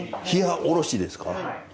ひやおろしですか？